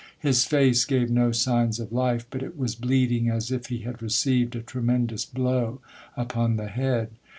His face gave no signs of life, but it was bleeding as if he had received a tremendous blow upon the head.